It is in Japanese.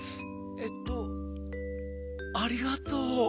えっとありがとう。